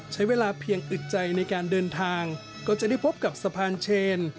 ใช้เวลาเพียงอึดใจในการเดินทางก็จะได้พบกับสะพานเชน